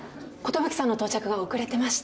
寿さんの到着が遅れてまして。